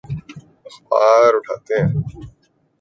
اخبار اٹھاتے ہیں۔